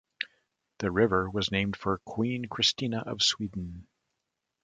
The river was named for Queen Christina of Sweden.